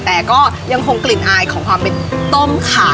แต่ก็ยังคงกลิ่นอายของความเป็นต้มขา